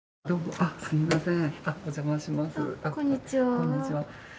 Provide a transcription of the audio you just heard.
こんにちは。